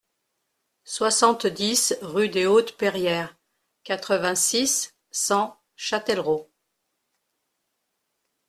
soixante-dix rue des Hautes Perrières, quatre-vingt-six, cent, Châtellerault